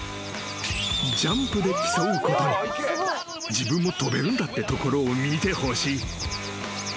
［自分も跳べるんだってところを見てほしい］